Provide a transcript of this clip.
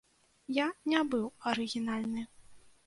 Я не быў арыгінальны.